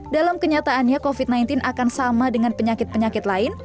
dalam kenyataannya covid sembilan belas akan sama dengan penyakit penyakit lain